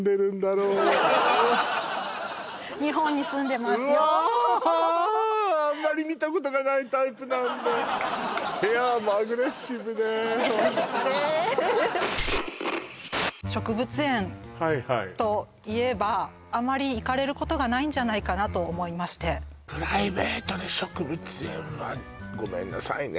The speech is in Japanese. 日本に住んでますようわはっあんまり見たことがないタイプなんで植物園といえばはいはいあまり行かれることがないんじゃないかなと思いましてプライベートで植物園はごめんなさいね